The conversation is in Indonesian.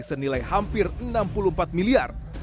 senilai hampir enam puluh empat miliar